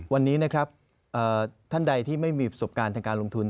วันนี้นะครับท่านใดที่ไม่มีประสบการณ์ทางการลงทุน